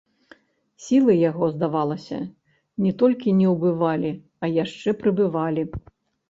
Сілы яго, здавалася, не толькі не ўбывалі, а яшчэ прыбывалі.